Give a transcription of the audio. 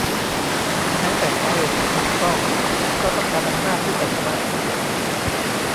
แม้แต่สาเหตุที่ถูกต้องก็ต้องการอำนาจที่จะชนะ